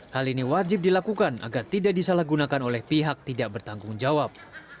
hal ini wajib dilakukan agar tidak disalahgunakan oleh pihak tidak bertanggung jawab